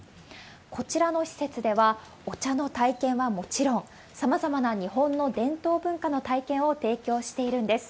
こちらの施設では、お茶の体験はもちろん、さまざまな日本の伝統文化の体験を提供しているんです。